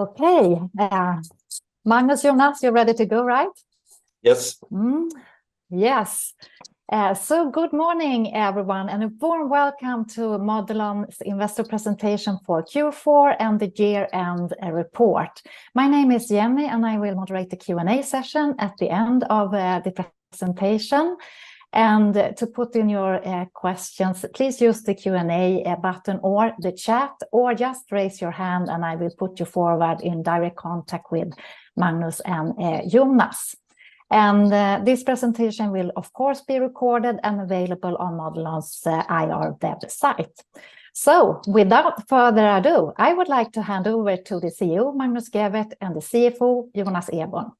Okay, Magnus, Jonas, you're ready to go, right? Yes. Yes. So good morning, everyone, and a warm welcome to Modelon's investor presentation for Q4 and the year-end report. My name is Jenny, and I will moderate the Q&A session at the end of the presentation. To put in your questions, please use the Q&A button or the chat, or just raise your hand and I will put you forward in direct contact with Magnus and Jonas. This presentation will, of course, be recorded and available on Modelon's IR website. So without further ado, I would like to hand over to the CEO, Magnus Gäfvert, and the CFO, Jonas Eborn.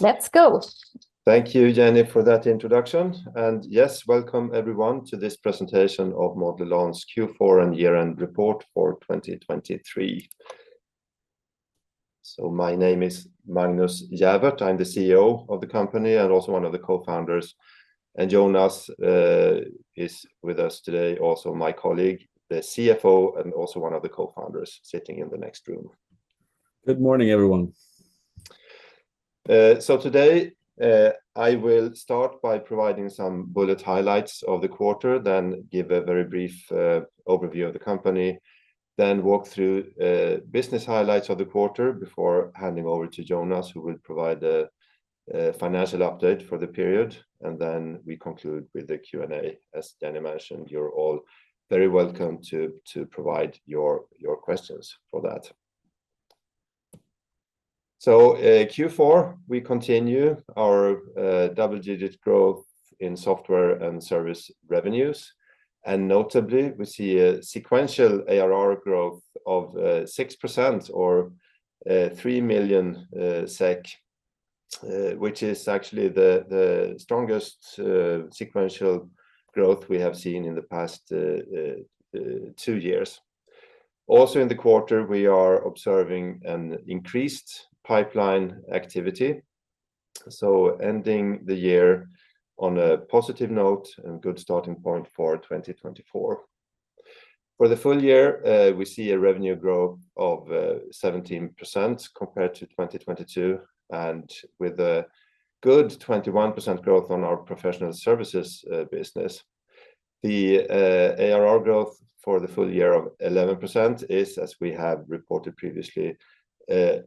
Let's go! Thank you, Jenny, for that introduction. Yes, welcome everyone to this presentation of Modelon's Q4 and year-end report for 2023. My name is Magnus Gäfvert. I'm the CEO of the company and also one of the co-founders. And Jonas is with us today, also my colleague, the CFO, and also one of the co-founders sitting in the next room. Good morning, everyone. So today, I will start by providing some bullet highlights of the quarter, then give a very brief overview of the company, then walk through business highlights of the quarter before handing over to Jonas, who will provide a financial update for the period. And then we conclude with the Q&A. As Jenny mentioned, you're all very welcome to provide your questions for that. So, Q4, we continue our double-digit growth in software and service revenues, and notably, we see a sequential ARR growth of 6% or 3 million SEK, which is actually the strongest sequential growth we have seen in the past two years. Also in the quarter, we are observing an increased pipeline activity, so ending the year on a positive note and good starting point for 2024. For the full year, we see a revenue growth of 17% compared to 2022, and with a good 21% growth on our professional services business. The ARR growth for the full year of 11% is, as we have reported previously,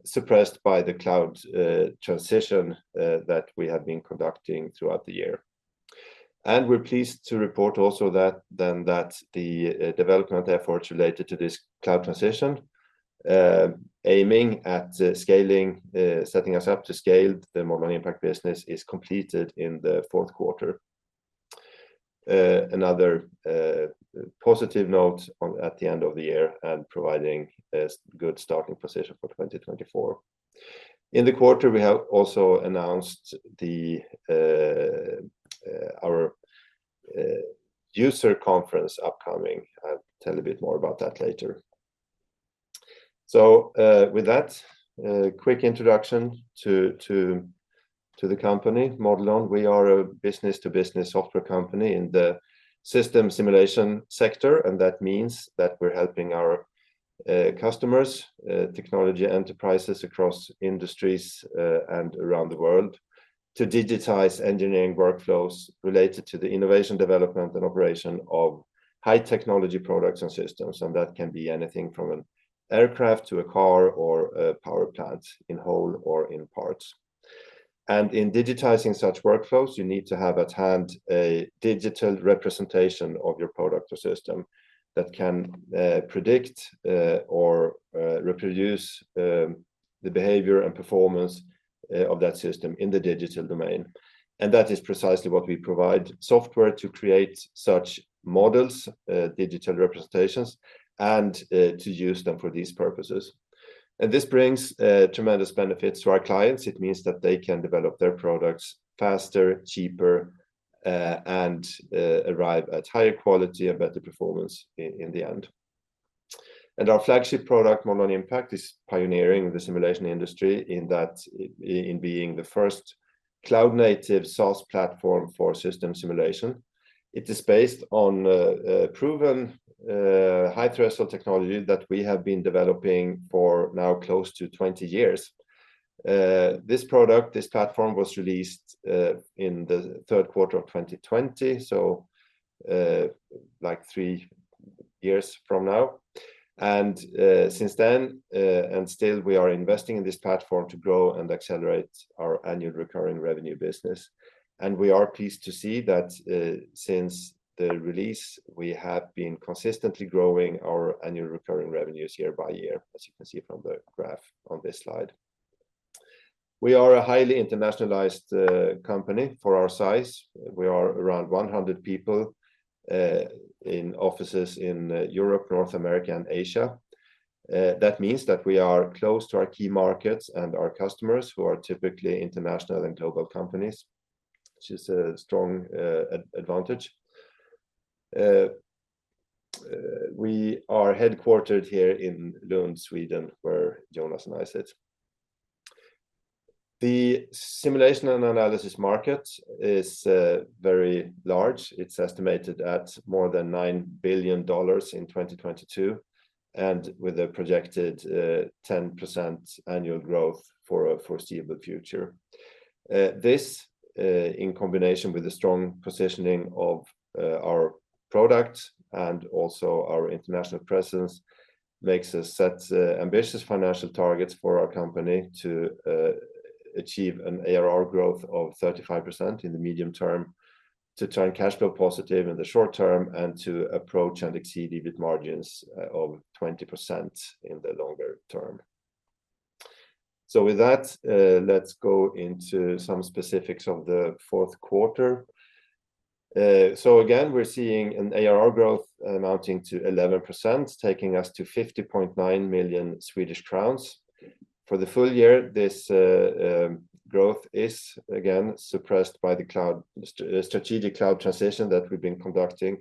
suppressed by the cloud transition that we have been conducting throughout the year. We're pleased to report also that the development efforts related to this cloud transition, aiming at scaling, setting us up to scale the Modelon Impact business is completed in the fourth quarter. Another positive note at the end of the year and providing a good starting position for 2024. In the quarter, we have also announced our user conference upcoming. I'll tell a bit more about that later. With that, a quick introduction to the company, Modelon. We are a business-to-business software company in the system simulation sector, and that means that we're helping our customers, technology enterprises across industries, and around the world, to digitize engineering workflows related to the innovation, development, and operation of high-technology products and systems. That can be anything from an aircraft to a car or a power plant, in whole or in parts. In digitizing such workflows, you need to have at hand a digital representation of your product or system that can predict or reproduce the behavior and performance of that system in the digital domain. That is precisely what we provide, software to create such models, digital representations, and to use them for these purposes. And this brings tremendous benefits to our clients. It means that they can develop their products faster, cheaper, and arrive at higher quality and better performance in the end. And our flagship product, Modelon Impact, is pioneering the simulation industry in that in being the first cloud-native SaaS platform for system simulation. It is based on proven high-threshold technology that we have been developing for now close to 20 years. This product, this platform, was released in the third quarter of 2020, so like three years from now. And since then, and still, we are investing in this platform to grow and accelerate our annual recurring revenue business. We are pleased to see that, since the release, we have been consistently growing our annual recurring revenues year by year, as you can see from the graph on this slide. We are a highly internationalized company for our size. We are around 100 people in offices in Europe, North America, and Asia. That means that we are close to our key markets and our customers, who are typically international and global companies, which is a strong advantage. We are headquartered here in Lund, Sweden, where Jonas and I sit. The simulation and analysis market is very large. It's estimated at more than $9 billion in 2022, and with a projected 10% annual growth for a foreseeable future. This, in combination with the strong positioning of, our products and also our international presence, makes us set, ambitious financial targets for our company to, achieve an ARR growth of 35% in the medium term, to turn cashflow positive in the short term, and to approach and exceed EBIT margins, of 20% in the longer term. So with that, let's go into some specifics of the fourth quarter. So again, we're seeing an ARR growth amounting to 11%, taking us to 50.9 million Swedish crowns. For the full year, this growth is, again, suppressed by the cloud, strategic cloud transition that we've been conducting,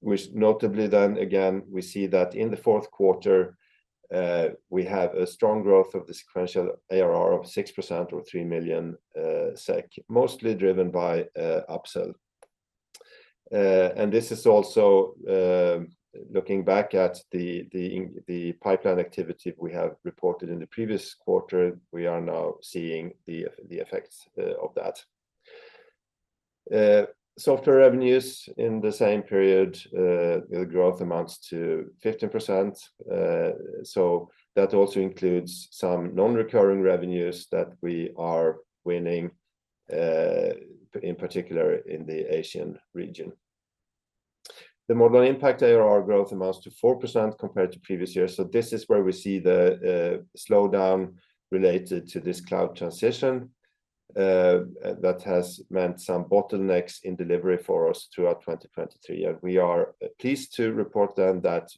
which notably then again, we see that in the fourth quarter, we have a strong growth of the sequential ARR of 6% or 3 million SEK, mostly driven by upsell. And this is also, looking back at the pipeline activity we have reported in the previous quarter, we are now seeing the effects of that. Software revenues in the same period, the growth amounts to 15%, so that also includes some non-recurring revenues that we are winning, in particular in the Asian region. The Modelon Impact ARR growth amounts to 4% compared to previous years, so this is where we see the slowdown related to this cloud transition that has meant some bottlenecks in delivery for us throughout 2023. And we are pleased to report then that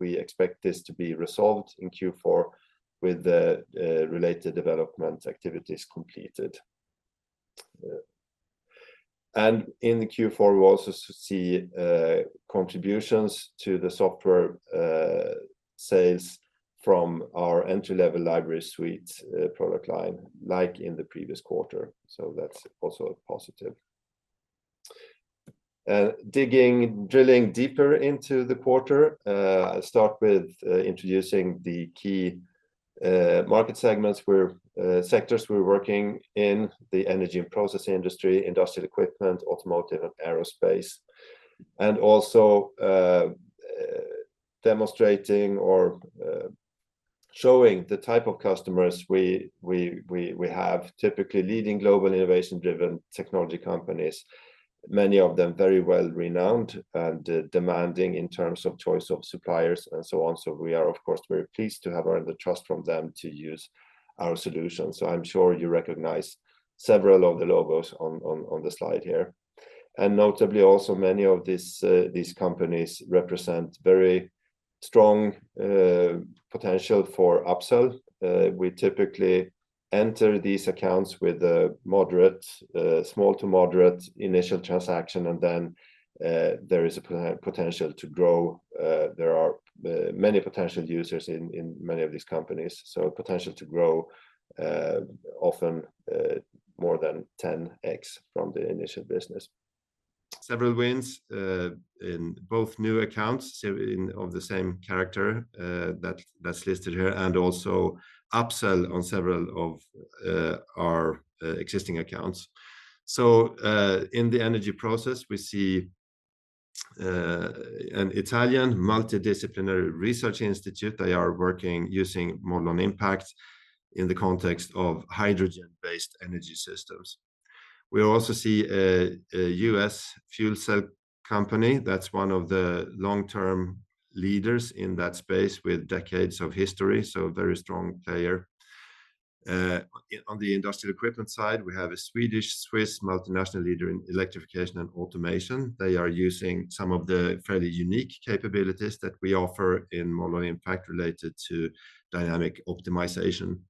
we expect this to be resolved in Q4 with the related development activities completed. And in the Q4, we also see contributions to the software sales from our entry-level Library Suite product line, like in the previous quarter, so that's also a positive. Digging, drilling deeper into the quarter, I'll start with introducing the key market segments where sectors we're working in, the energy and process industry, industrial equipment, automotive, and aerospace. And also, demonstrating or showing the type of customers we have, typically leading global innovation-driven technology companies, many of them very well-renowned and demanding in terms of choice of suppliers and so on. So we are, of course, very pleased to have earned the trust from them to use our solutions. So I'm sure you recognize several of the logos on the slide here. And notably, also, many of these companies represent very strong potential for upsell. We typically enter these accounts with a small to moderate initial transaction, and then there is a potential to grow. There are many potential users in many of these companies, so potential to grow, often more than 10x from the initial business. Several wins in both new accounts, so in of the same character that that's listed here, and also upsell on several of our existing accounts. So, in the energy process, we see an Italian multidisciplinary research institute. They are working using Modelon Impact in the context of hydrogen-based energy systems. We also see a U.S. fuel cell company that's one of the long-term leaders in that space with decades of history, so a very strong player. On the industrial equipment side, we have a Swedish-Swiss multinational leader in electrification and automation. They are using some of the fairly unique capabilities that we offer in Modelon Impact related to dynamic optimization.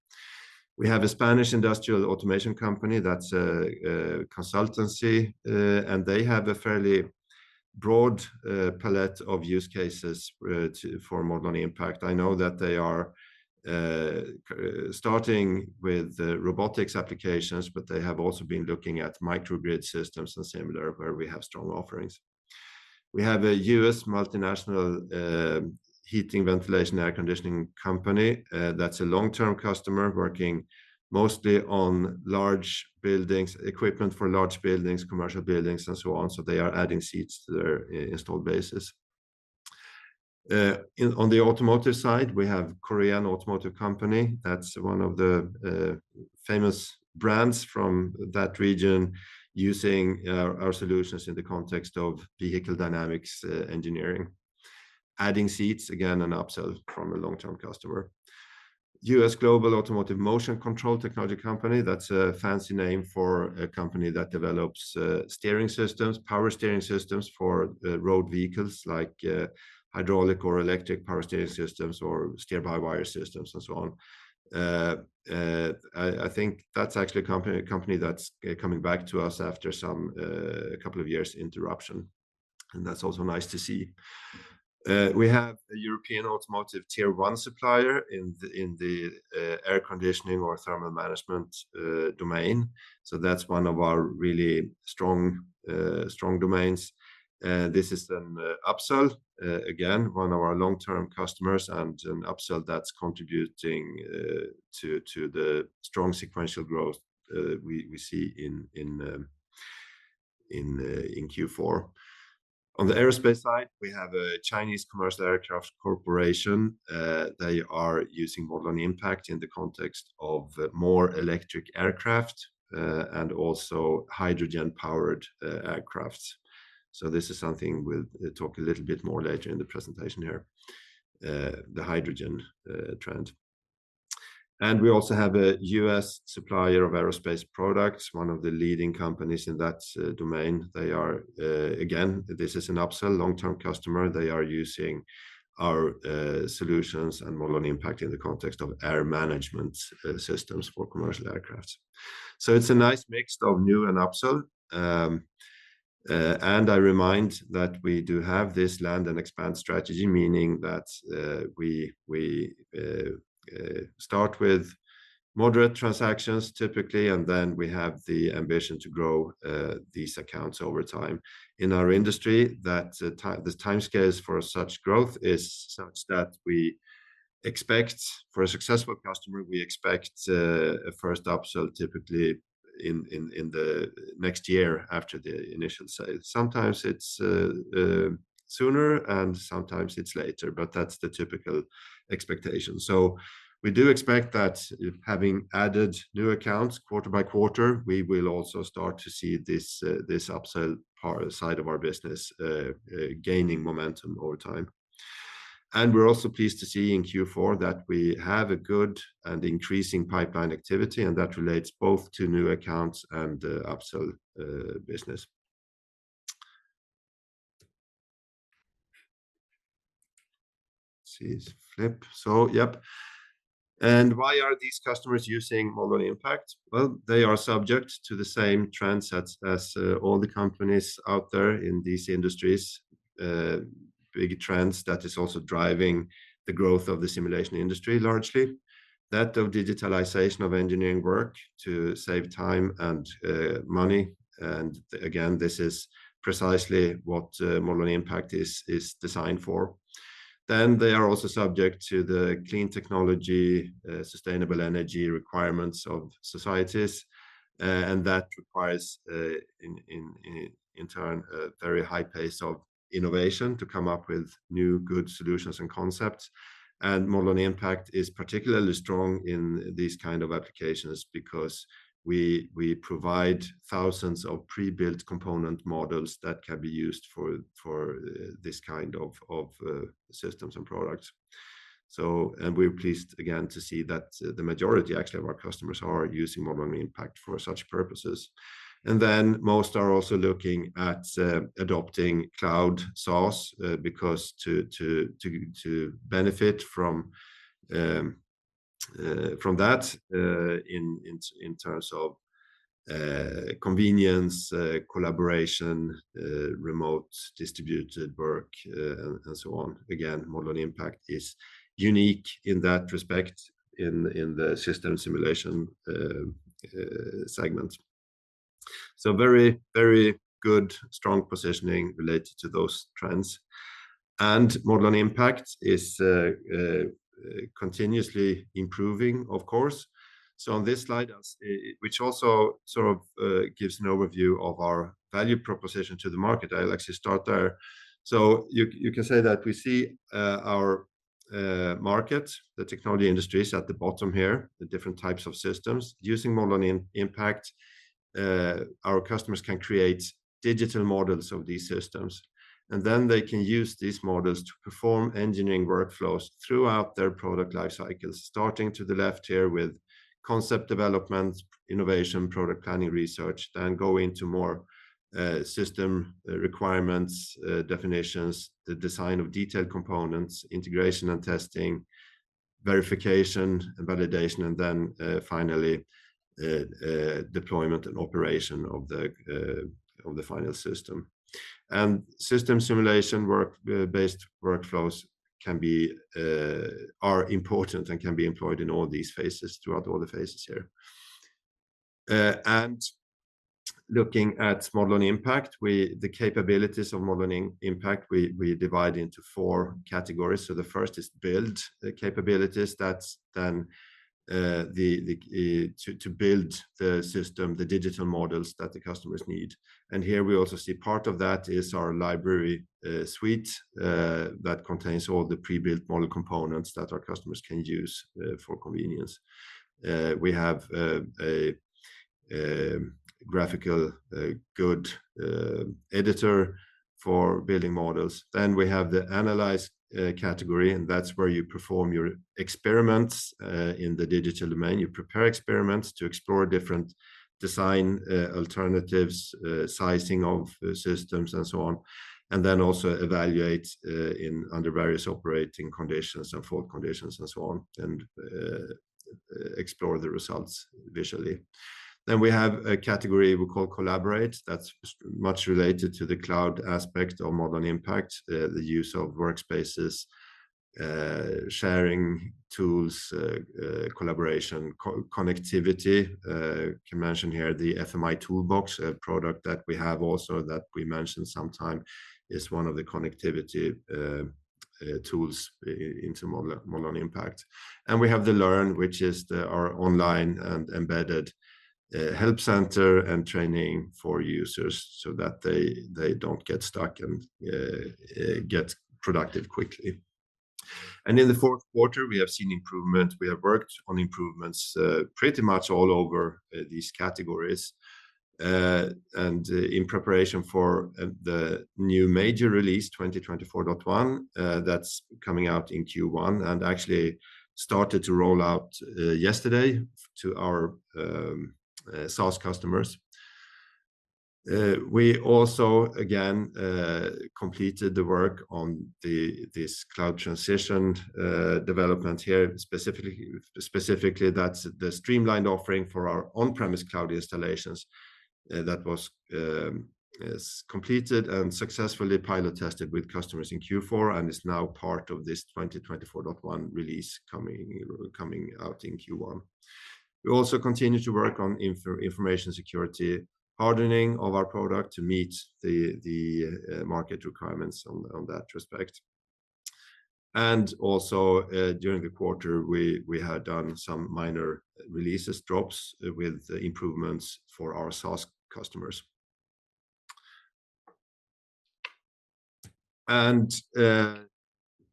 We have a Spanish industrial automation company that's a consultancy, and they have a fairly broad palette of use cases for Modelon Impact. I know that they are starting with robotics applications, but they have also been looking at microgrid systems and similar, where we have strong offerings. We have a U.S. multinational heating, ventilation, air conditioning company that's a long-term customer, working mostly on large buildings, equipment for large buildings, commercial buildings, and so on. So they are adding seats to their installed bases. On the automotive side, we have Korean automotive company, that's one of the famous brands from that region, using our solutions in the context of vehicle dynamics engineering. Adding seats, again, an upsell from a long-term customer. U.S. global automotive motion control technology company, that's a fancy name for a company that develops steering systems, power steering systems for road vehicles like hydraulic or electric power steering systems or steer-by-wire systems and so on. I think that's actually a company that's coming back to us after some couple of years interruption.... That's also nice to see. We have a European automotive Tier 1 supplier in the air conditioning or thermal management domain. So that's one of our really strong domains. This is an upsell again, one of our long-term customers, and an upsell that's contributing to the strong sequential growth we see in Q4. On the aerospace side, we have a Chinese commercial aircraft corporation. They are using Modelon Impact in the context of more electric aircraft and also hydrogen-powered aircrafts. So this is something we'll talk a little bit more later in the presentation here, the hydrogen trend. And we also have a U.S. supplier of aerospace products, one of the leading companies in that domain. They are again, this is an upsell long-term customer. They are using our solutions and Modelon Impact in the context of air management systems for commercial aircraft. So it's a nice mix of new and upsell. And I remind that we do have this land and expand strategy, meaning that we start with moderate transactions typically, and then we have the ambition to grow these accounts over time. In our industry, the timescales for such growth is such that we expect. For a successful customer, we expect a first upsell typically in the next year after the initial sale. Sometimes it's sooner and sometimes it's later, but that's the typical expectation. So we do expect that having added new accounts quarter by quarter, we will also start to see this upsell side of our business gaining momentum over time. And we're also pleased to see in Q4 that we have a good and increasing pipeline activity, and that relates both to new accounts and upsell business. Let's see. Flip. So yep, and why are these customers using Modelon Impact? Well, they are subject to the same trends as all the companies out there in these industries. Big trends that is also driving the growth of the simulation industry, largely. That of digitalization of engineering work to save time and money, and again, this is precisely what Modelon Impact is designed for. Then they are also subject to the clean technology, sustainable energy requirements of societies, and that requires, in turn, a very high pace of innovation to come up with new, good solutions and concepts. Modelon Impact is particularly strong in these kind of applications because we provide thousands of pre-built component models that can be used for this kind of systems and products. And we're pleased again, to see that the majority, actually, of our customers are using Modelon Impact for such purposes. And then most are also looking at adopting cloud SaaS, because to benefit from that, in terms of convenience, collaboration, remote distributed work, and so on. Again, Modelon Impact is unique in that respect in the system simulation segment. So very, very good, strong positioning related to those trends. And Modelon Impact is continuously improving, of course. So on this slide, which also sort of gives an overview of our value proposition to the market, I'll actually start there. So you can say that we see our market, the technology industries at the bottom here, the different types of systems. Using Modelon Impact, our customers can create digital models of these systems, and then they can use these models to perform engineering workflows throughout their product life cycles. Starting to the left here with concept development, innovation, product planning, research, then go into more, system requirements, definitions, the design of detailed components, integration and testing, verification and validation, and then, finally, deployment and operation of the, of the final system. And system simulation work-based workflows can be, are important and can be employed in all these phases, throughout all the phases here. And looking at Modelon Impact, the capabilities of Modelon Impact, we divide into four categories. So the first is build the capabilities, that's then, to build the system, the digital models that the customers need. And here we also see part of that is our Library Suite that contains all the pre-built model components that our customers can use, for convenience. We have a graphical good editor for building models. Then we have the analyze category, and that's where you perform your experiments in the digital domain. You prepare experiments to explore different design alternatives sizing of the systems, and so on. And then also evaluate in under various operating conditions and fault conditions, and so on, and explore the results visually. Then we have a category we call Collaborate, that's much related to the cloud aspect of Modelon Impact. The use of workspaces, sharing tools, collaboration, co-connectivity. Can mention here the FMI Toolbox, a product that we have also that we mention sometime, is one of the connectivity tools into Modelon Impact. We have the Learn, which is our online and embedded help center and training for users so that they don't get stuck and get productive quickly. In the fourth quarter, we have seen improvement. We have worked on improvements pretty much all over these categories. And in preparation for the new major release, 2024.1, that's coming out in Q1, and actually started to roll out yesterday to our SaaS customers. We also, again, completed the work on this cloud transition development here, specifically, that's the streamlined offering for our on-premise cloud installations. That is completed and successfully pilot tested with customers in Q4 and is now part of this 2024.1 release coming out in Q1. We also continue to work on information security, hardening of our product to meet the market requirements on that respect. And also, during the quarter, we had done some minor releases, drops, with improvements for our SaaS customers. And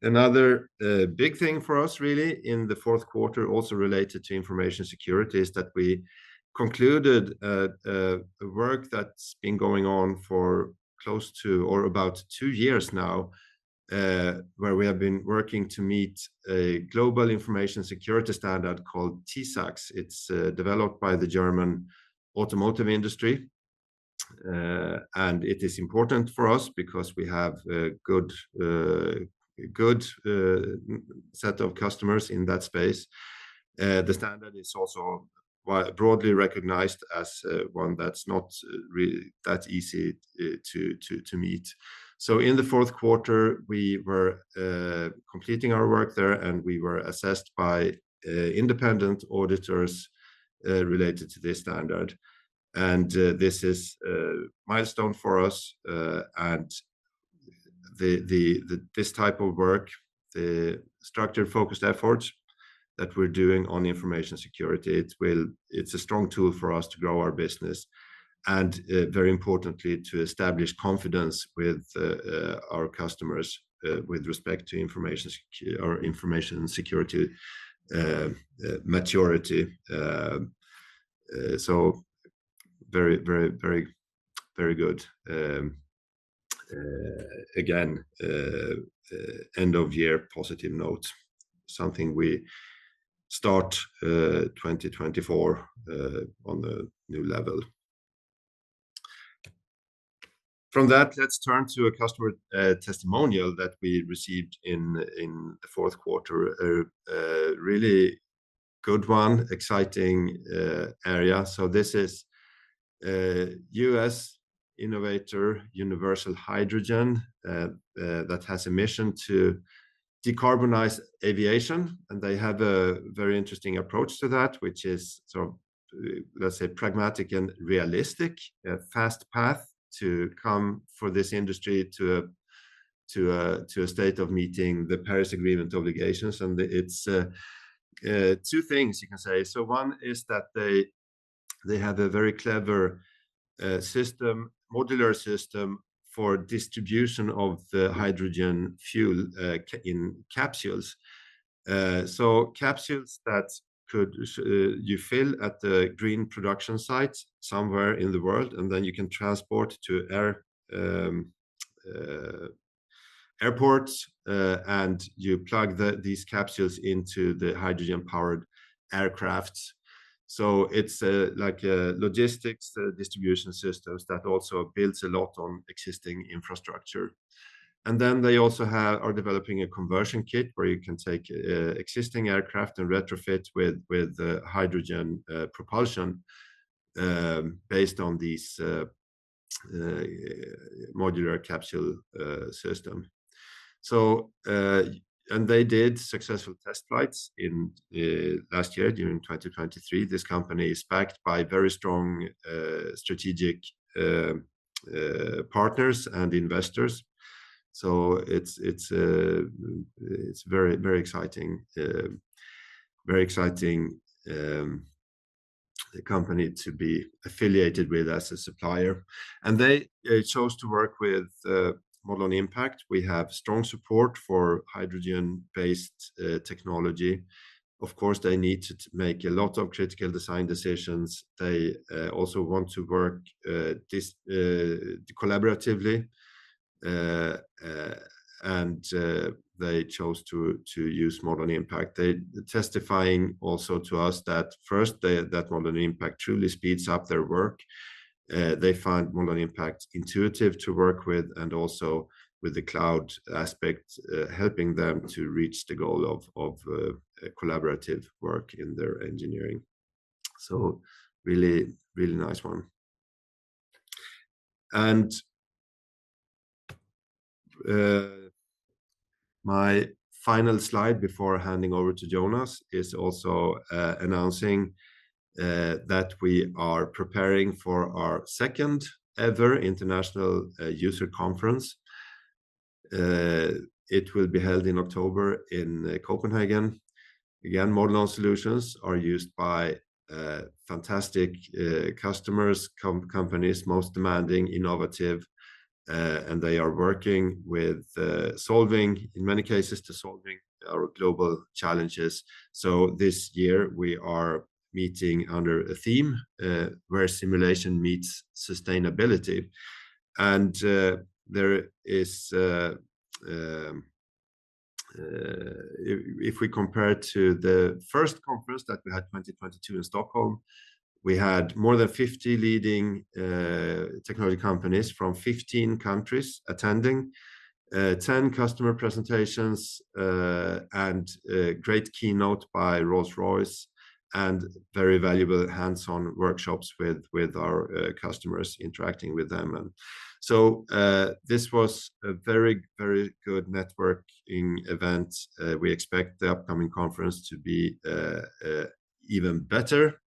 another big thing for us really in the fourth quarter, also related to information security, is that we concluded a work that's been going on for close to or about two years now, where we have been working to meet a global information security standard called TISAX. It's developed by the German automotive industry. And it is important for us because we have a good set of customers in that space. The standard is also broadly recognized as one that's not really that easy to meet. So in the fourth quarter, we were completing our work there, and we were assessed by independent auditors related to this standard. And this is a milestone for us, and this type of work, the structured, focused efforts that we're doing on information security, it's a strong tool for us to grow our business and, very importantly, to establish confidence with our customers with respect to information security maturity. So very, very, very, very good. End of year positive note, something we start 2024 on a new level. From that, let's turn to a customer testimonial that we received in the fourth quarter. A really good one, exciting area. So this is a U.S. innovator, Universal Hydrogen, that has a mission to decarbonize aviation, and they have a very interesting approach to that, which is sort of, let's say, pragmatic and realistic. A fast path to come for this industry to a state of meeting the Paris Agreement obligations. And it's two things you can say. So one is that they have a very clever system, modular system for distribution of the hydrogen fuel in capsules. So capsules that could you fill at the green production site somewhere in the world, and then you can transport to airports, and you plug these capsules into the hydrogen-powered aircraft. So it's like a logistics distribution systems that also builds a lot on existing infrastructure. And then they also have, are developing a conversion kit, where you can take existing aircraft and retrofit with hydrogen propulsion based on these modular capsule system. So they did successful test flights in last year, during 2023. This company is backed by very strong strategic partners and investors. So it's very, very exciting, very exciting company to be affiliated with as a supplier. And they chose to work with Modelon Impact. We have strong support for hydrogen-based technology. Of course, they need to make a lot of critical design decisions. They also want to work this collaboratively and they chose to use Modelon Impact. They testifying also to us that first that Modelon Impact truly speeds up their work. They find Modelon Impact intuitive to work with and also with the cloud aspect, helping them to reach the goal of collaborative work in their engineering. So really, really nice one. And my final slide before handing over to Jonas is also announcing that we are preparing for our second-ever international user conference. It will be held in October in Copenhagen. Again, Modelon solutions are used by fantastic customers, companies, most demanding, innovative, and they are working with solving, in many cases, to solving our global challenges. So this year, we are meeting under a theme where simulation meets sustainability. If we compare to the first conference that we had in 2022 in Stockholm, we had more than 50 leading technology companies from 15 countries attending, 10 customer presentations, and a great keynote by Rolls-Royce, and very valuable hands-on workshops with our customers interacting with them. This was a very, very good networking event. We expect the upcoming conference to be even better.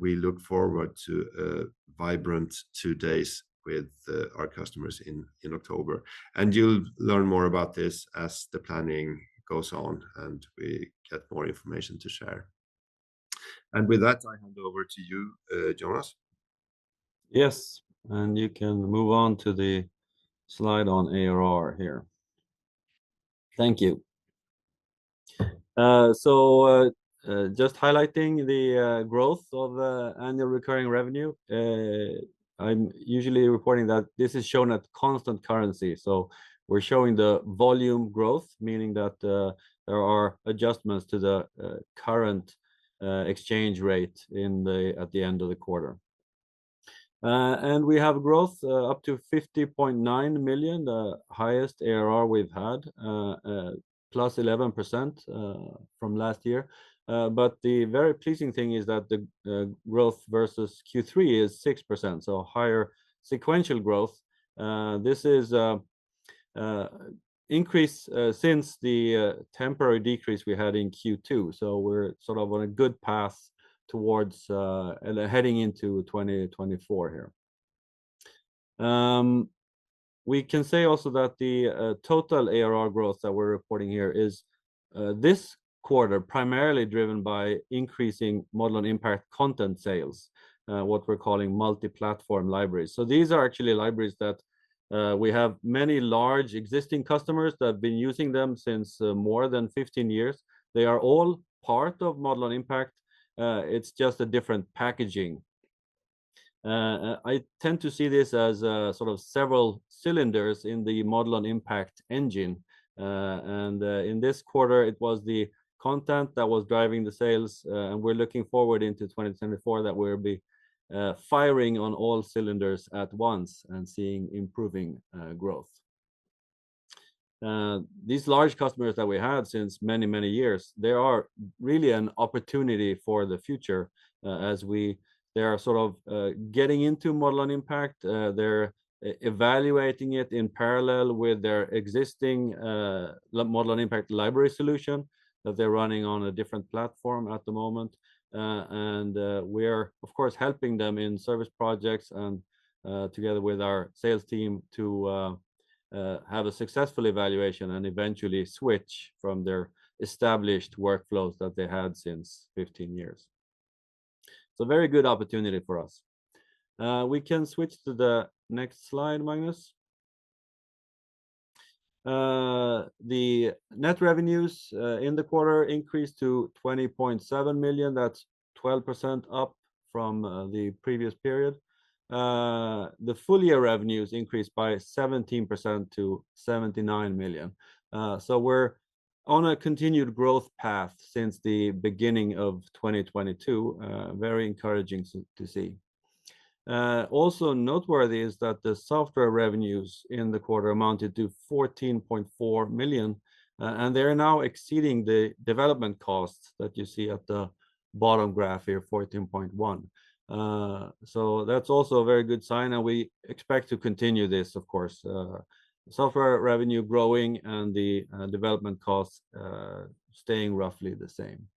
We look forward to a vibrant two days with our customers in October. You'll learn more about this as the planning goes on, and we get more information to share. And with that, I hand over to you, Jonas. Yes, and you can move on to the slide on ARR here. Thank you. So, just highlighting the growth of the annual recurring revenue, I'm usually reporting that this is shown at constant currency. So we're showing the volume growth, meaning that there are adjustments to the current exchange rate at the end of the quarter. And we have growth up to 50.9 million, the highest ARR we've had, +11% from last year. But the very pleasing thing is that the growth versus Q3 is 6%, so a higher sequential growth. This is increase since the temporary decrease we had in Q2, so we're sort of on a good path towards heading into 2024 here. We can say also that the total ARR growth that we're reporting here is this quarter, primarily driven by increasing Modelon Impact content sales, what we're calling Multi-Platform Libraries. So these are actually libraries that we have many large existing customers that have been using them since more than 15 years. They are all part of Modelon Impact. It's just a different packaging. I tend to see this as sort of several cylinders in the Modelon Impact engine. And in this quarter, it was the content that was driving the sales. And we're looking forward into 2024 that we'll be firing on all cylinders at once and seeing improving growth. These large customers that we had since many, many years, they are really an opportunity for the future, as they are sort of getting into Modelon Impact. They're evaluating it in parallel with their existing Modelon Impact library solution, that they're running on a different platform at the moment. And we're of course helping them in service projects and together with our sales team to have a successful evaluation and eventually switch from their established workflows that they had since 15 years. So a very good opportunity for us. We can switch to the next slide, Magnus. The net revenues in the quarter increased to 20.7 million. That's 12% up from the previous period. The full-year revenues increased by 17% to 79 million. So we're on a continued growth path since the beginning of 2022. Very encouraging to see. Also noteworthy is that the software revenues in the quarter amounted to 14.4 million, and they are now exceeding the development costs that you see at the bottom graph here, 14.1. So that's also a very good sign, and we expect to continue this, of course. Software revenue growing and the development costs staying roughly the same.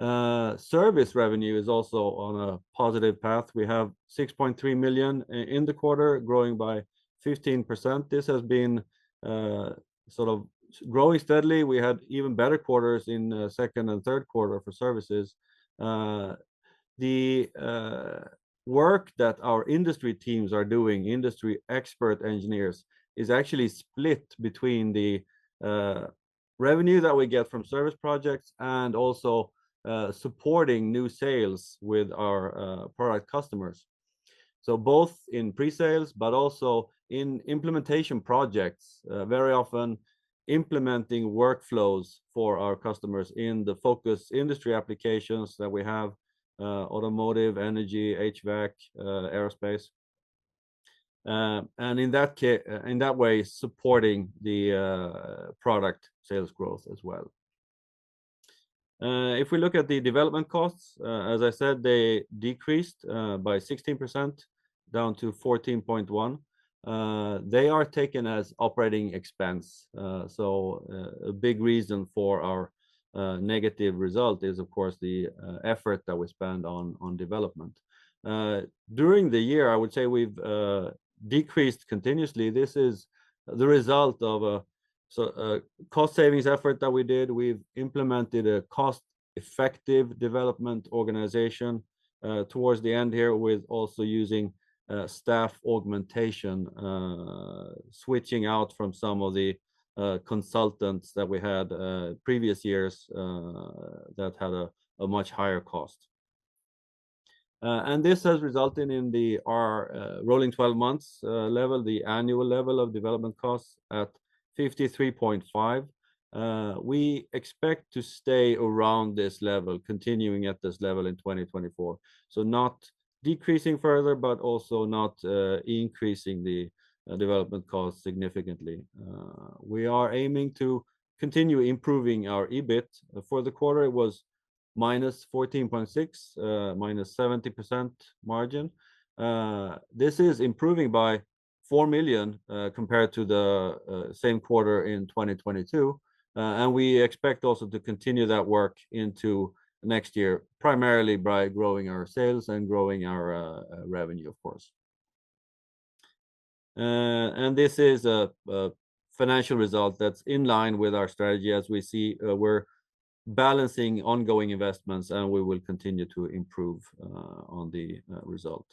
Service revenue is also on a positive path. We have 6.3 million in the quarter, growing by 15%. This has been sort of growing steadily. We had even better quarters in second and third quarter for services. The work that our industry teams are doing, industry expert engineers, is actually split between the revenue that we get from service projects and also supporting new sales with our product customers. So both in pre-sales but also in implementation projects, very often implementing workflows for our customers in the focus industry applications that we have, automotive, energy, HVAC, aerospace. And in that way, supporting the product sales growth as well. If we look at the development costs, as I said, they decreased by 16%, down to 14.1. They are taken as operating expense. So a big reason for our negative result is, of course, the effort that we spend on development. During the year, I would say we've decreased continuously. This is the result of a cost-savings effort that we did. We've implemented a cost-effective development organization, towards the end here, with also using staff augmentation, switching out from some of the consultants that we had previous years, that had a much higher cost. This has resulted in our rolling 12 months level, the annual level of development costs at 53.5. We expect to stay around this level, continuing at this level in 2024, so not decreasing further, but also not increasing the development costs significantly. We are aiming to continue improving our EBIT. For the quarter, it was -14.6, -70% margin. This is improving by 4 million, compared to the same quarter in 2022, and we expect also to continue that work into next year, primarily by growing our sales and growing our revenue, of course. And this is a financial result that's in line with our strategy. As we see, we're balancing ongoing investments, and we will continue to improve on the result.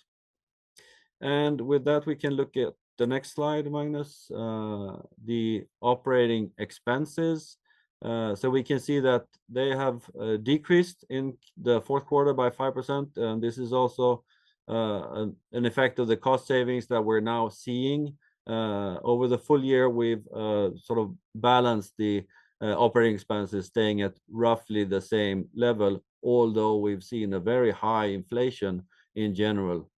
And with that, we can look at the next slide, Magnus. The operating expenses. So we can see that they have decreased in the fourth quarter by 5%, and this is also an effect of the cost savings that we're now seeing. Over the full year, we've sort of balanced the operating expenses, staying at roughly the same level, although we've seen a very high inflation in general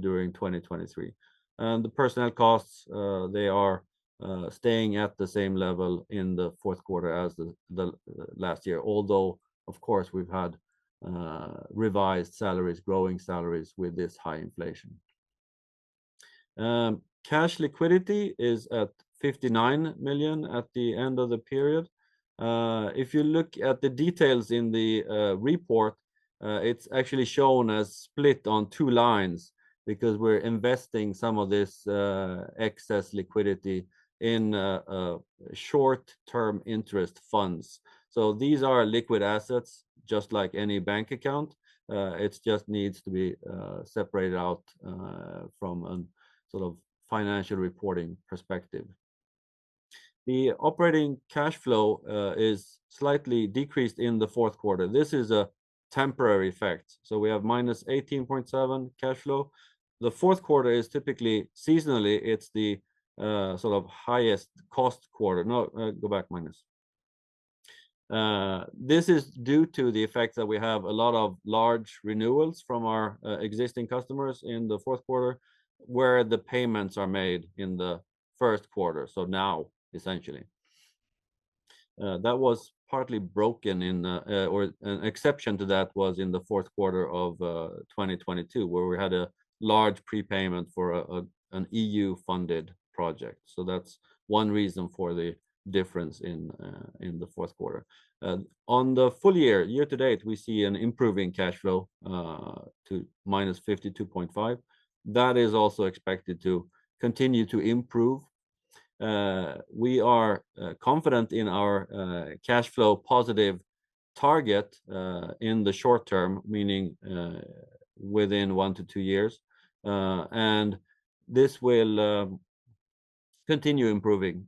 during 2023. The personnel costs they are staying at the same level in the fourth quarter as the last year, although, of course, we've had revised salaries, growing salaries, with this high inflation. Cash liquidity is at 59 million at the end of the period. If you look at the details in the report, it's actually shown as split on two lines, because we're investing some of this excess liquidity in short-term interest funds. So these are liquid assets, just like any bank account. It's just needs to be separated out from a sort of financial reporting perspective. The operating cash flow is slightly decreased in the fourth quarter. This is a temporary effect, so we have -18.7 cash flow. The fourth quarter is typically, seasonally, it's the sort of highest-cost quarter. No, go back, Magnus. This is due to the effect that we have a lot of large renewals from our existing customers in the fourth quarter, where the payments are made in the first quarter, so now, essentially. That was partly broken in... or an exception to that was in the fourth quarter of 2022, where we had a large prepayment for a, an EU-funded project, so that's one reason for the difference in in the fourth quarter. On the full year, year to date, we see an improving cash flow to -52.5. That is also expected to continue to improve. We are confident in our cash flow-positive target in the short term, meaning within one to two years. And this will continue improving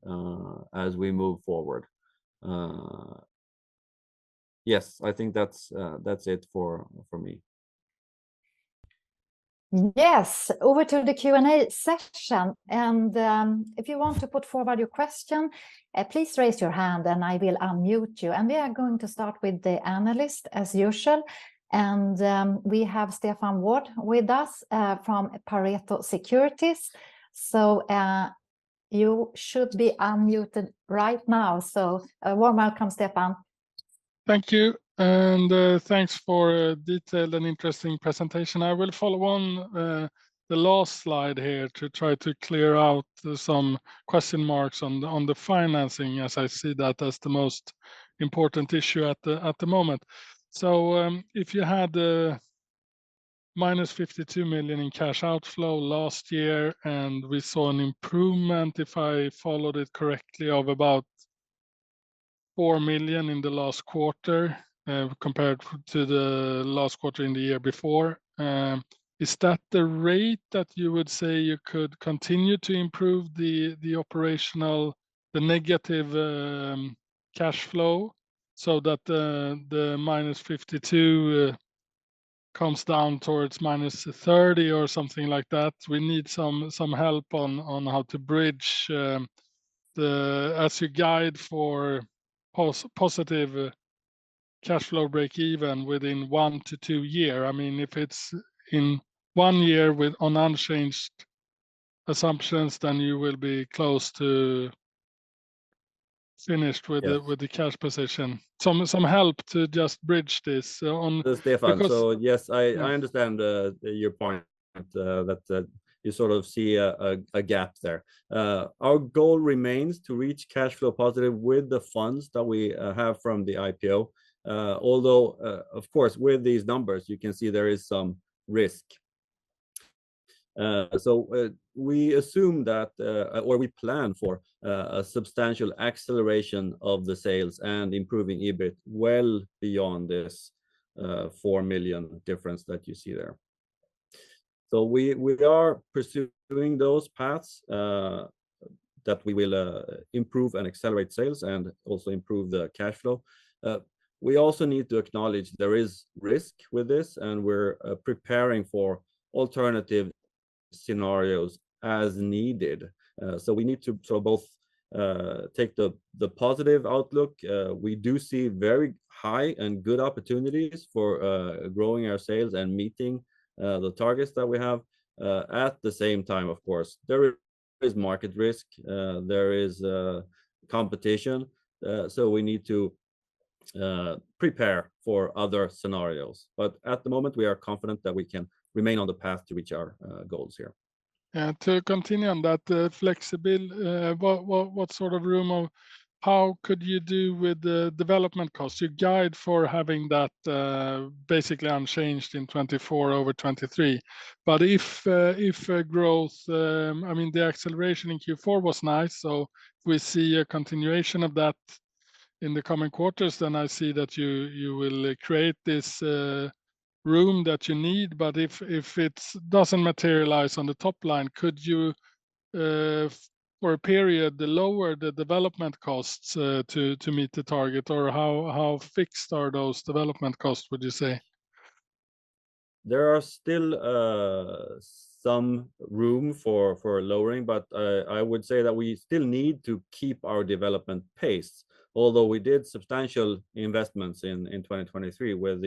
as we move forward. Yes, I think that's it for me. Yes, over to the Q&A session, and, if you want to put forward your question, please raise your hand, and I will unmute you. And we are going to start with the analyst, as usual, and, we have Stefan Wård with us, from Pareto Securities. So, you should be unmuted right now, so a warm welcome, Stefan. Thank you, and, thanks for a detailed and interesting presentation. I will follow on, the last slide here, to try to clear out some question marks on the, on the financing, as I see that as the most important issue at the, at the moment. So, if you had, -52 million in cash outflow last year, and we saw an improvement, if I followed it correctly, of about 4 million in the last quarter, compared to the last quarter in the year before, is that the rate that you would say you could continue to improve the, the operational, the negative, cash flow, so that, the -52, comes down towards -30 or something like that? We need some, some help on, on how to bridge, the... As you guide for positive cash flow breakeven within one to two year. I mean, if it's in one year with unchanged assumptions, then you will be close to finished with the- Yeah -with the cash position. Some help to just bridge this, on- So, Stefan... Because- So yes, I understand your point, that you sort of see a gap there. Our goal remains to reach cash flow positive with the funds that we have from the IPO. Although of course, with these numbers, you can see there is some risk. We assume that or we plan for a substantial acceleration of the sales and improving EBIT well beyond this 4 million difference that you see there. So we are pursuing those paths that we will improve and accelerate sales and also improve the cash flow. We also need to acknowledge there is risk with this, and we're preparing for alternative scenarios as needed. We need to both take the positive outlook. We do see very high and good opportunities for growing our sales and meeting the targets that we have. At the same time, of course, there is market risk. There is competition, so we need to prepare for other scenarios. But at the moment, we are confident that we can remain on the path to reach our goals here. And to continue on that, flexible, what, what, what sort of room or how could you do with the development costs? You guide for having that, basically unchanged in 2024 over 2023. But if, if, growth... I mean, the acceleration in Q4 was nice, so if we see a continuation of that in the coming quarters, then I see that you, you will create this, room that you need. But if, if it doesn't materialize on the top line, could you, for a period, lower the development costs, to, to meet the target? Or how, how fixed are those development costs, would you say? There are still some room for lowering, but I would say that we still need to keep our development pace. Although we did substantial investments in 2023 with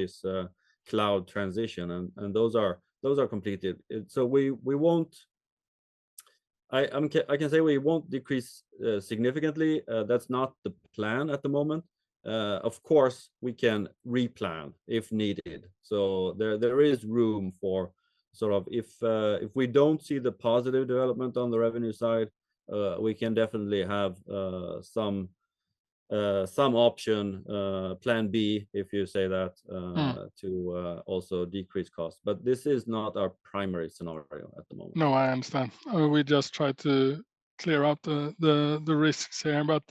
this cloud transition, and those are completed. And so we won't. I can say we won't decrease significantly. That's not the plan at the moment. Of course, we can replan if needed. So there is room for sort of if if we don't see the positive development on the revenue side, we can definitely have some option plan B, if you say that. Mm... to also decrease costs. But this is not our primary scenario at the moment. No, I understand. We just try to clear out the risks here. But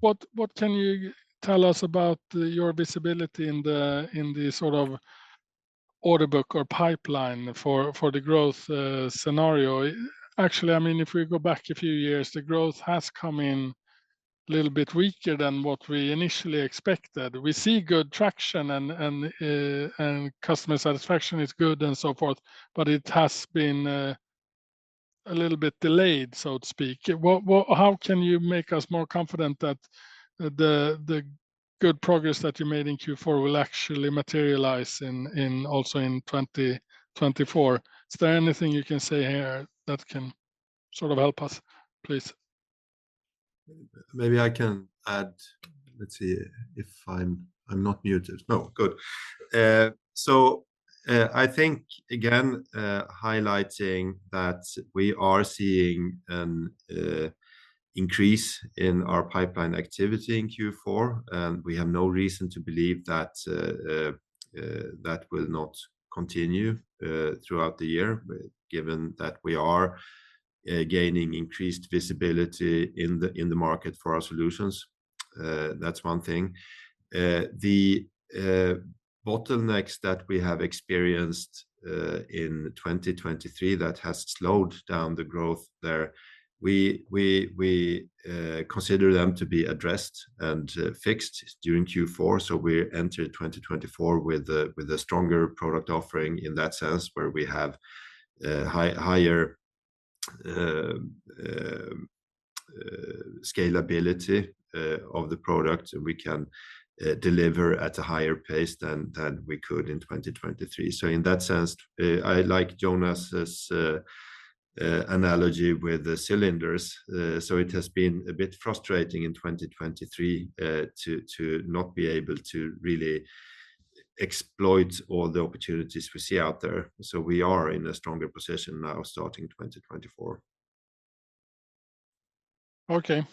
what can you tell us about your visibility in the sort of order book or pipeline for the growth scenario? Actually, I mean, if we go back a few years, the growth has come in a little bit weaker than what we initially expected. We see good traction, and customer satisfaction is good, and so forth, but it has been a little bit delayed, so to speak. Well, how can you make us more confident that the good progress that you made in Q4 will actually materialize also in 2024? Is there anything you can say here that can sort of help us, please? Maybe I can add. Let's see if I'm not muted. No, good. So, I think, again, highlighting that we are seeing an increase in our pipeline activity in Q4, and we have no reason to believe that that will not continue throughout the year, given that we are gaining increased visibility in the market for our solutions. That's one thing. The bottlenecks that we have experienced in 2023, that has slowed down the growth there, we consider them to be addressed and fixed during Q4. So we enter 2024 with a stronger product offering in that sense, where we have higher scalability of the product, and we can deliver at a higher pace than we could in 2023. So in that sense, I like Jonas's analogy with the cylinders. So it has been a bit frustrating in 2023 to not be able to really exploit all the opportunities we see out there. So we are in a stronger position now, starting 2024. Okay.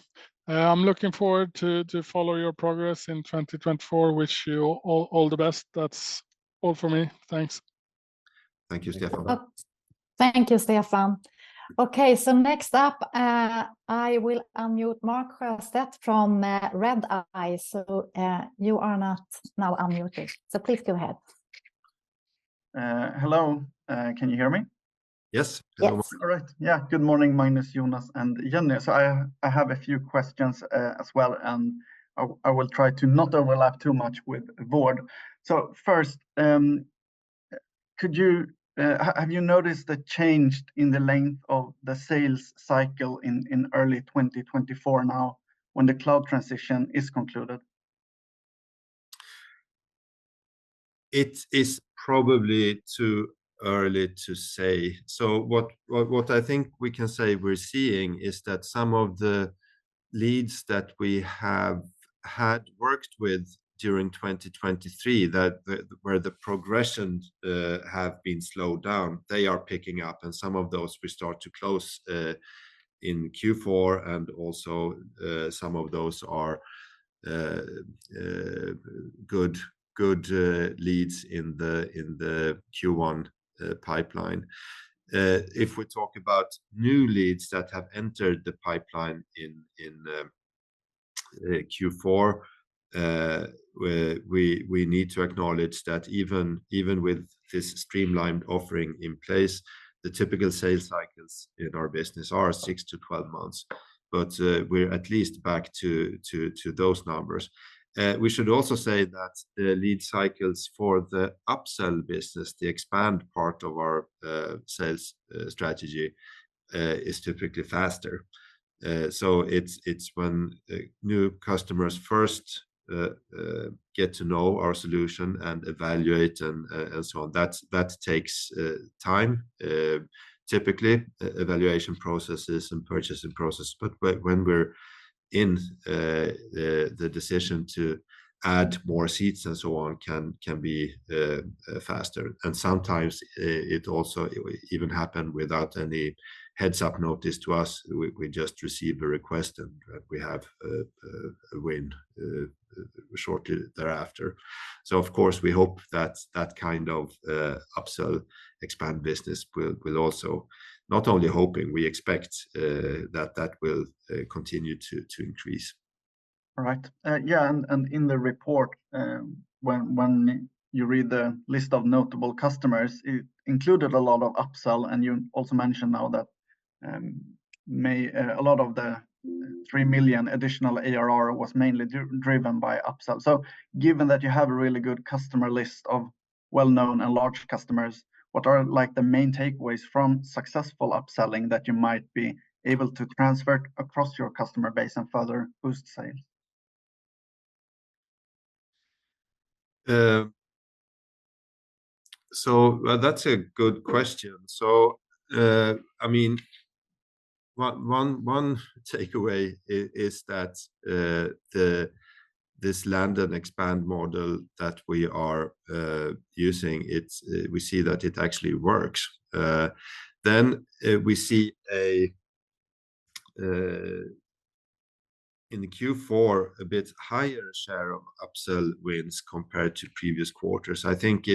I'm looking forward to follow your progress in 2024. Wish you all the best. That's all for me. Thanks. Thank you, Stefan. Thank you, Stefan. Okay, so next up, I will unmute Mark Sjöstedt from Redeye. So, you are now unmuted, so please go ahead. Hello. Can you hear me? Yes. Yes. All right. Yeah, good morning, Magnus, Jonas, and Jenny. So I have a few questions as well, and I will try to not overlap too much with Wård. So first, have you noticed the change in the length of the sales cycle in early 2024 now, when the cloud transition is concluded? It is probably too early to say. So what I think we can say we're seeing is that some of the leads that we have had worked with during 2023, that the, where the progression have been slowed down, they are picking up, and some of those we start to close in Q4, and also some of those are good leads in the Q1 pipeline. If we talk about new leads that have entered the pipeline in Q4, we need to acknowledge that even with this streamlined offering in place, the typical sales cycles in our business are 6-12 months. But we're at least back to those numbers. We should also say that the lead cycles for the upsell business, the expand part of our sales strategy, is typically faster. So it's when new customers first get to know our solution and evaluate and so on, that takes time, typically evaluation processes and purchasing process. But when we're in the decision to add more seats and so on, can be faster. And sometimes it also even happen without any heads-up notice to us. We just receive a request, and we have a win shortly thereafter. So of course, we hope that that kind of upsell expand business will also... Not only hoping, we expect that that will continue to increase. All right. Yeah, and, and in the report, when you read the list of notable customers, it included a lot of upsell, and you also mentioned now that a lot of the 3 million additional ARR was mainly driven by upsell. So given that you have a really good customer list of well-known and large customers, what are, like, the main takeaways from successful upselling that you might be able to transfer across your customer base and further boost sales? Well, that's a good question. So, I mean, one takeaway is that the this land and expand model that we are using, it's we see that it actually works. Then, we see a in the Q4, a bit higher share of upsell wins compared to previous quarters. I think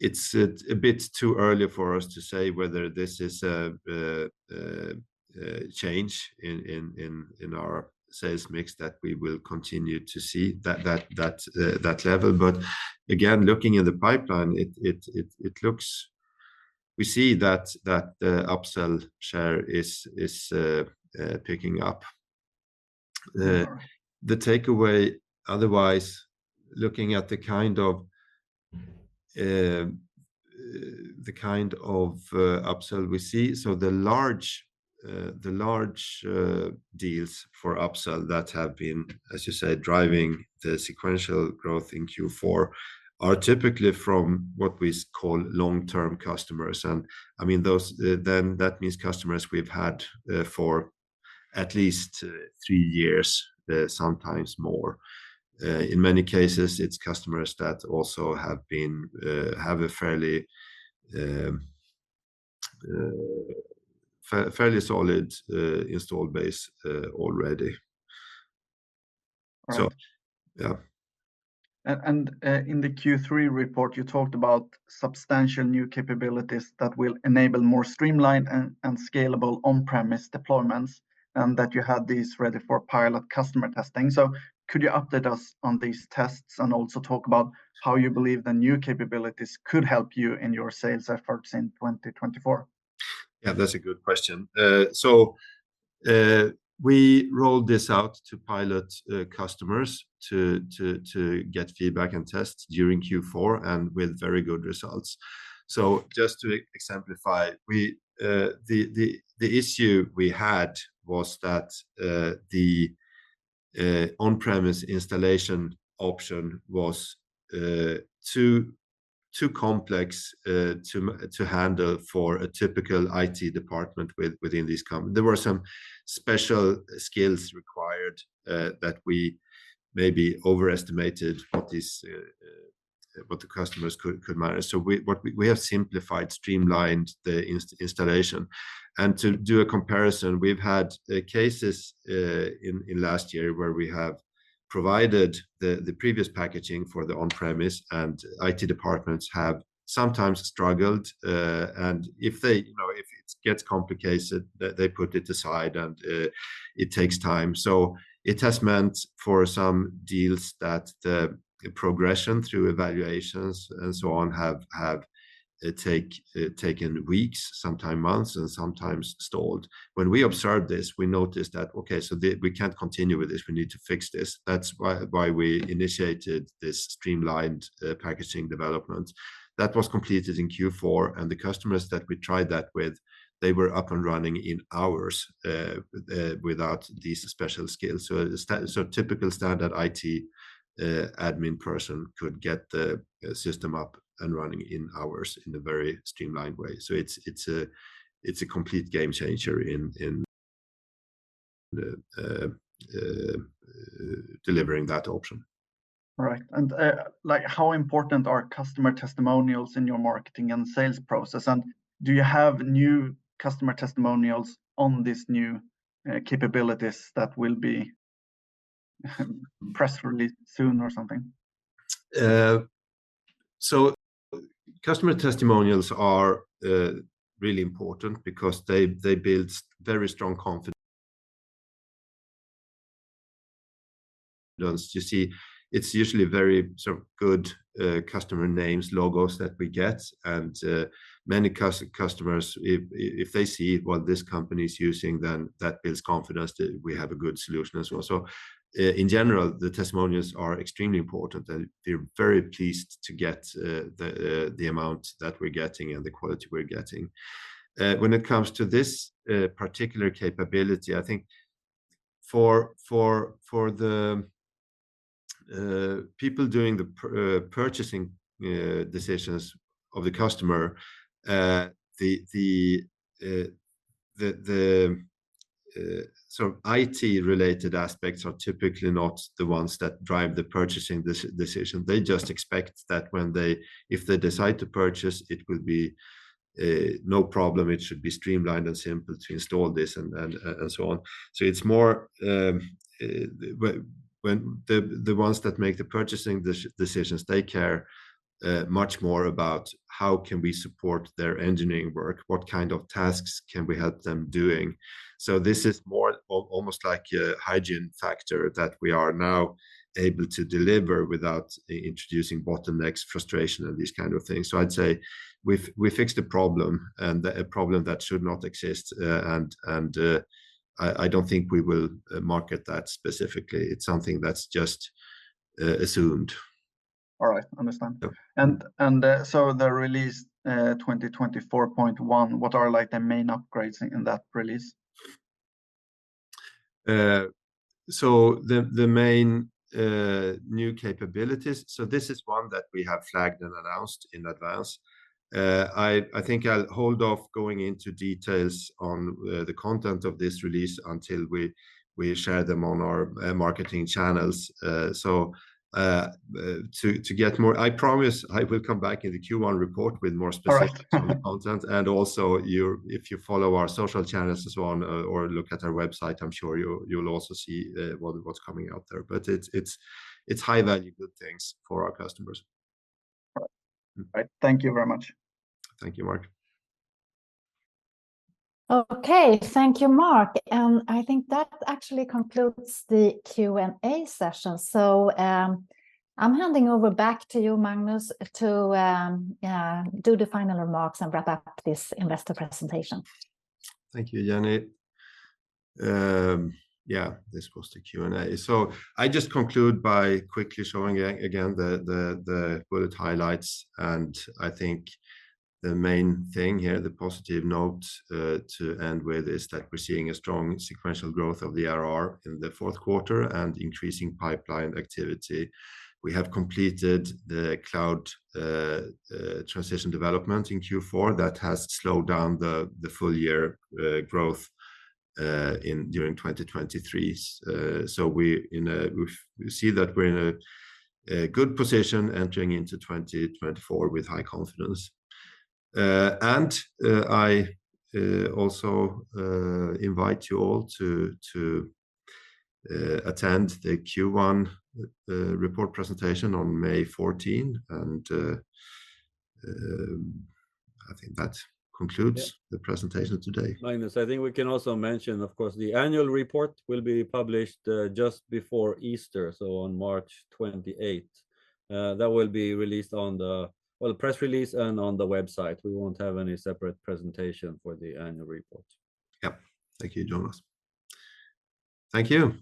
it's still it's a bit too early for us to say whether this is a change in our sales mix, that we will continue to see that level. But again, looking at the pipeline, it looks we see that upsell share is picking up. All right. The takeaway, otherwise, looking at the kind of upsell we see, so the large deals for upsell that have been, as you said, driving the sequential growth in Q4, are typically from what we call long-term customers. And, I mean, those then that means customers we've had for at least three years, sometimes more. In many cases, it's customers that also have a fairly solid installed base already. All right. So, yeah. In the Q3 report, you talked about substantial new capabilities that will enable more streamlined and scalable on-premise deployments, and that you had these ready for pilot customer testing. So could you update us on these tests and also talk about how you believe the new capabilities could help you in your sales efforts in 2024? Yeah, that's a good question. So, we rolled this out to pilot customers to get feedback and tests during Q4, and with very good results. So just to exemplify, the issue we had was that the on-premise installation option was too complex to handle for a typical IT department within these companies. There were some special skills required that we maybe overestimated what the customers could manage. So we have simplified, streamlined the installation. And to do a comparison, we've had cases in last year where we have provided the previous packaging for the on-premise, and IT departments have sometimes struggled. And if they, you know, if it gets complicated, they, they put it aside, and it takes time. So it has meant for some deals that the progression through evaluations and so on have taken weeks, sometimes months, and sometimes stalled. When we observed this, we noticed that, okay, so we can't continue with this; we need to fix this. That's why we initiated this streamlined packaging development. That was completed in Q4, and the customers that we tried that with, they were up and running in hours without these special skills. So a typical standard IT admin person could get the system up and running in hours in a very streamlined way. So it's a complete game-changer in delivering that option. All right, and, like, how important are customer testimonials in your marketing and sales process? And do you have new customer testimonials on this new capabilities that will be press release soon or something? So customer testimonials are really important because they, they build very strong confidence. You see, it's usually very sort of good customer names, logos that we get, and many customers, if they see what this company's using, then that builds confidence that we have a good solution as well. So in general, the testimonials are extremely important, and we're very pleased to get the amount that we're getting and the quality we're getting. When it comes to this particular capability, I think for the people doing the purchasing decisions of the customer, the so IT-related aspects are typically not the ones that drive the purchasing decision. They just expect that if they decide to purchase, it will be no problem. It should be streamlined and simple to install this, and so on. So it's more when the ones that make the purchasing decisions they care much more about how can we support their engineering work? What kind of tasks can we help them doing? So this is more almost like a hygiene factor that we are now able to deliver without introducing bottlenecks, frustration, and these kind of things. So I'd say we've fixed a problem, and a problem that should not exist. And I don't think we will market that specifically. It's something that's just assumed. All right. Understand. So- So, the release 2024.1, what are, like, the main upgrades in that release? So the main new capabilities, so this is one that we have flagged and announced in advance. I think I'll hold off going into details on the content of this release until we share them on our marketing channels. To get more... I promise I will come back in the Q1 report with more specific- All right. -content, and also your, if you follow our social channels and so on, or look at our website, I'm sure you, you'll also see, what, what's coming out there. But it's, it's, it's high-value, good things for our customers. All right. Mm-hmm. Thank you very much. Thank you, Mark. Okay. Thank you, Mark, and I think that actually concludes the Q&A session. I'm handing over back to you, Magnus, to do the final remarks and wrap up this investor presentation. Thank you, Jenny. This was the Q&A. So I just conclude by quickly showing again the bullet highlights, and I think the main thing here, the positive note to end with, is that we're seeing a strong sequential growth of the ARR in the fourth quarter and increasing pipeline activity. We have completed the cloud transition development in Q4. That has slowed down the full-year growth during 2023. So we see that we're in a good position entering into 2024 with high confidence. And I also invite you all to attend the Q1 report presentation on May 14, and I think that concludes- Yeah... the presentation today. Magnus, I think we can also mention, of course, the annual report will be published just before Easter, so on March 28th. That will be released on the... Well, the press release and on the website. We won't have any separate presentation for the annual report. Yep. Thank you, Jonas. Thank you!